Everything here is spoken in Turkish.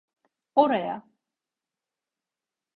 Oraya.